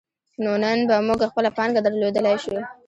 نو نن به موږ خپله پانګه درلودلای شو.